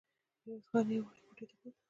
ميرويس خان يې يوې وړې کوټې ته بوت.